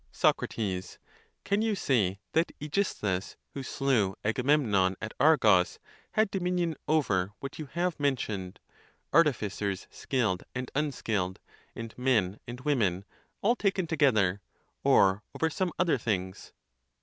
[5.] Soc. Can you say, that /Mgisthus, who slew Aga memnon at Argos, had dominion over what you have men tioned, artificers skilled and unskilled, and men and women, all taken together, or over some other things